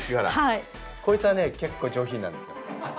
こいつはね結構上品なんですよ。